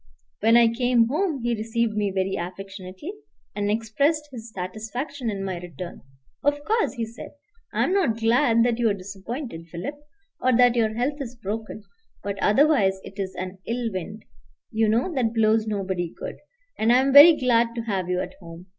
When I came home he received me very affectionately, and expressed his satisfaction in my return. "Of course," he said, "I am not glad that you are disappointed, Philip, or that your health is broken; but otherwise it is an ill wind, you know, that blows nobody good; and I am very glad to have you at home.